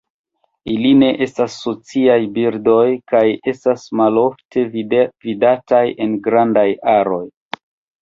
Ili ne estas sociaj birdoj kaj estas malofte vidataj en grandaj aroj.